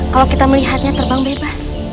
kalau kita melihatnya terbang bebas